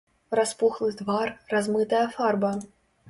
Распухлы твар, размытая фарба.